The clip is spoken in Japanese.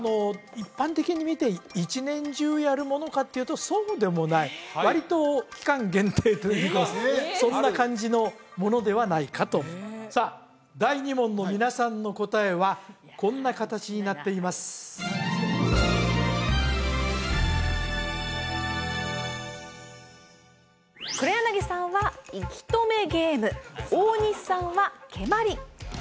一般的に見て一年中やるものかっていうとそうでもない割と期間限定とそんな感じのものではないかとさあ第２問の皆さんの答えはこんな形になっていますさあ湯山さんの答え